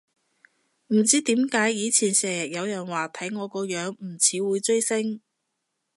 唔知點解以前成日有人話睇我個樣唔似會追星